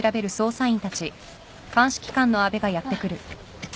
あっ。